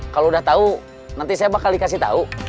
kalau udah tau nanti saya bakal dikasih tau